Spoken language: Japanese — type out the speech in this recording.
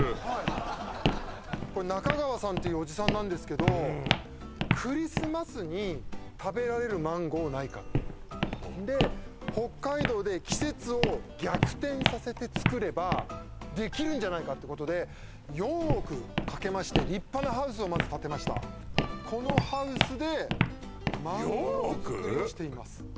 はいこれ中川さんっていうおじさんなんですけどクリスマスに食べられるマンゴーないかってで北海道で季節を逆転させて作ればできるんじゃないかってことで４億かけまして立派なハウスをまず建てましたこのハウスでマンゴー作りをしています